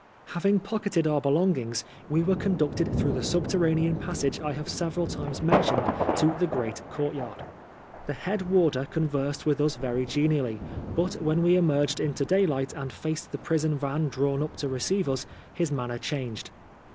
Having pocketed our belongings, we were conducted through the subterranean passage I have several times mentioned to the great courtyard. The head warder conversed with us very genially, but when we emerged into daylight and faced the prison van drawn up to receive us, his manner changed.